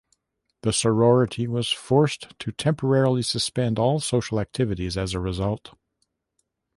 The sorority was forced to temporarily suspend all social activities as a result.